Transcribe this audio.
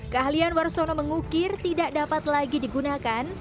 keahlian warsono mengukir tidak dapat lagi digunakan